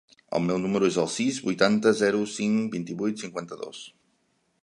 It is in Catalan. El meu número es el sis, vuitanta, zero, cinc, vint-i-vuit, cinquanta-dos.